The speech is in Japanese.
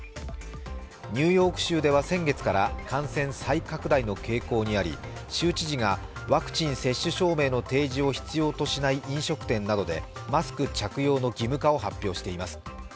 ニューヨーク州では先月から感染再拡大の傾向にあり州知事がワクチン接種証明の提示を必要としない飲食店などでマスク着用の義務化を発表しています。